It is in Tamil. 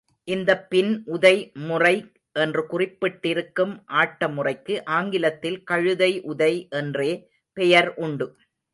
இந்தப் பின் உதை முறை என்று குறிப்பிட்டிருக்கும் ஆட்ட முறைக்கு, ஆங்கிலத்தில் கழுதை உதை என்றே பெயர் உண்டு.